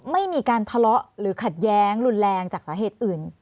ไม่มีการทะเลาะหรือขัดแย้งรุนแรงจากสาเหตุอื่น